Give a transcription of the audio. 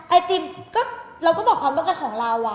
ไอติมก็เราก็บอกความต้องการของเรา